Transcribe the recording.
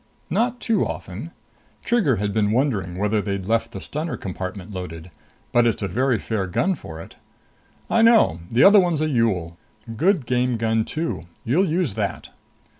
"Not too often." Trigger had been wondering whether they'd left the stunner compartment loaded. "But it's a very fair gun for it." "I know. The other one's a Yool. Good game gun, too. You'll use that."